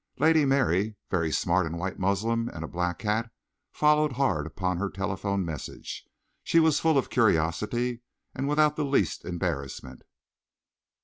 Lady Mary, very smart in white muslin and a black hat, followed hard upon her telephone message. She was full of curiosity and without the least embarrassment.